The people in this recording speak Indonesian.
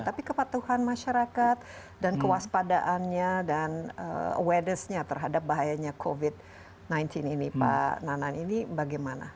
tapi kepatuhan masyarakat dan kewaspadaannya dan awareness nya terhadap bahayanya covid sembilan belas ini pak nanan ini bagaimana